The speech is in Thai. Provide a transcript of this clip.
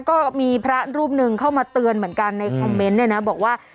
ก็มีพระรูปหนึ่งเข้ามาเตือนเหมือนกันในคอมเมนต์เนี่ยนะบอกว่า